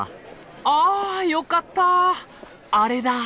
あよかったアレだ。